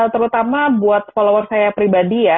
terutama buat followers saya pribadi ya